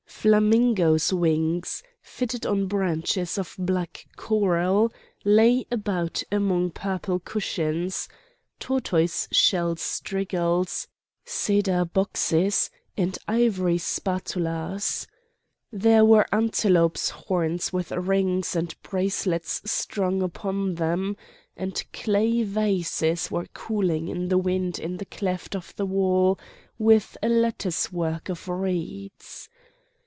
Flamingoes' wings, fitted on branches of black coral, lay about among purple cushions, tortoiseshell strigils, cedar boxes, and ivory spatulas. There were antelopes' horns with rings and bracelets strung upon them; and clay vases were cooling in the wind in the cleft of the wall with a lattice work of reeds.